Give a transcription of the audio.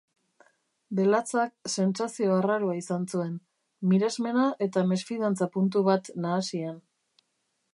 Belatzak sentsazio arraroa izan zuen, miresmena eta mesfidantza puntu bat nahasian.